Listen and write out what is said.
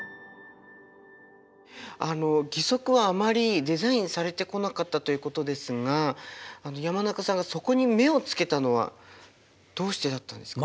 あの義足はあまりデザインされてこなかったということですが山中さんがそこに目を付けたのはどうしてだったんですか？